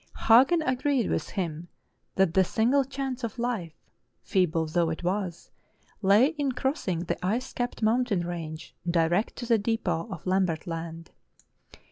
Hagen agreed with him that the single chance of life, feeble though it was, lay in crossing the ice capped mountain range, direct to the depot on Lambert Land.